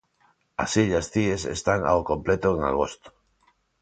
As illas Cíes están ao completo en agosto.